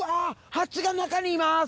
蜂が中にいます！